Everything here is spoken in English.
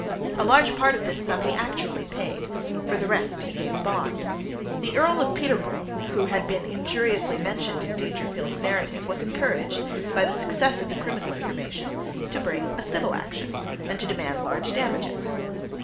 A large part of this sum he actually paid: for the rest he gave a bond. The Earl of Peterborough, who had been injuriously mentioned in Dangerfield's narrative, was encouraged, by the success of the criminal information, to bring a civil action, and to demand large damages.